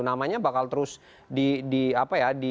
namanya bakal terus di apa ya